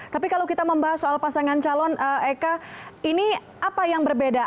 tapi kalau kita membahas soal pasangan calon eka ini apa yang berbeda